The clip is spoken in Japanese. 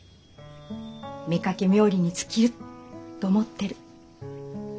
妾冥利に尽きると思ってる。